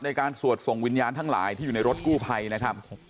สวดส่งวิญญาณทั้งหลายที่อยู่ในรถกู้ภัยนะครับ